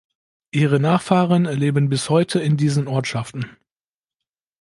Ihre Nachfahren leben bis heute in diesen Ortschaften.